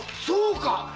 そうか！